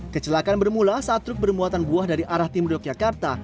kecelakaan bermula saat truk bermuatan buah dari arah timur yogyakarta